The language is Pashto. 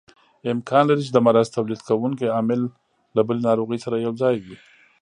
امکان لري چې د مرض تولید کوونکی عامل له بلې ناروغۍ سره یوځای وي.